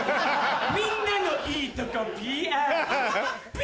みんなのいいとこＰＲＰ！